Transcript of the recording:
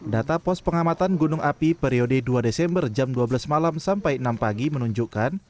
data pos pengamatan gunung api periode dua desember jam dua belas malam sampai enam pagi menunjukkan